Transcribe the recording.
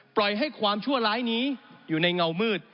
ปล่อยให้ความชั่วร้ายนี้อยู่ในเงามืด